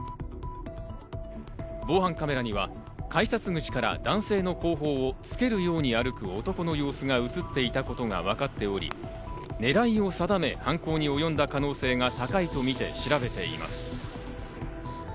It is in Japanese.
防犯カメラには改札口から男性の後方をつけるように歩く男の様子が映っていたことがわかり、狙いを定め、犯行におよんだ可能性が高いとみて調べています。